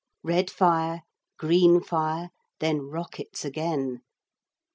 Red fire, green fire, then rockets again.